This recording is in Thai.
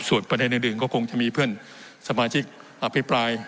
ส่วนประเด็นอื่นก็คงจะมีเพื่อนสมาชิกอภิปราย